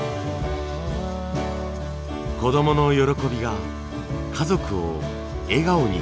子どもの喜びが家族を笑顔に。